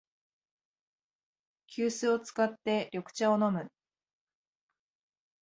急須を使って緑茶を飲む